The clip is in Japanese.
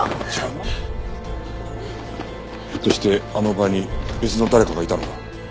ひょっとしてあの場に別の誰かがいたのか？